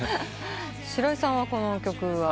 白井さんはこの曲は？